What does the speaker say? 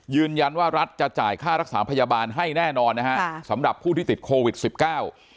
ยืนยันว่ารัฐจะจ่ายค่ารักษาพยาบาลให้แน่นอนนะฮะค่ะสำหรับผู้ที่ติดโควิดสิบเก้า